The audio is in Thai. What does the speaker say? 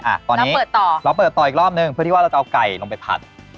อ่ะตอนนี้เปิดต่อเราเปิดต่ออีกรอบนึงเพื่อที่ว่าเราจะเอาไก่ลงไปผัด